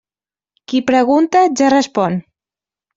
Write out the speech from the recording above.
Qui pregunta, ja respon.